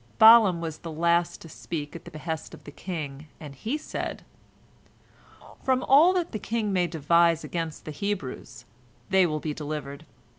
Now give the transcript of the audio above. Balaam was the last to speak at the behest of the king, and he said: "From all that the king may devise against the Hebrews, they will be delivered.